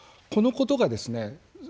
このことがですね